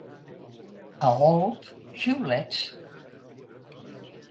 A Olp, xiulets.